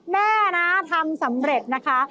แม่นะทำสำเร็จนะคะ